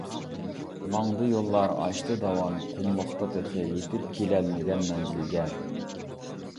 ماڭدى يوللار، ئاشتى داۋان، قۇملۇقتا، تېخى يىتىپ كېلەلمىگەن مەنزىلگە.